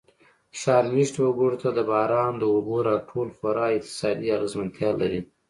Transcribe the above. ښار مېشتو وګړو ته د باران د اوبو را ټول خورا اقتصادي اغېزمنتیا لري.